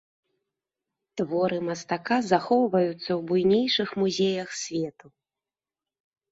Творы мастака, захоўваюцца ў буйнейшых музеях свету.